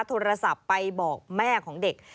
โทรศัพท์ไปบอกแม่ของเด็ก